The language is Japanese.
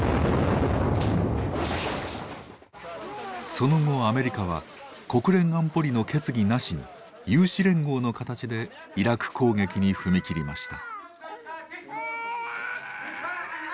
その後アメリカは国連安保理の決議なしに有志連合の形でイラク攻撃に踏み切りました。